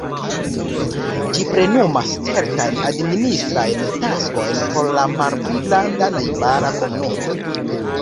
Ĝi plenumas certajn administrajn taskojn por la malpli granda najbara komunumo.